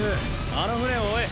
あの船を追え。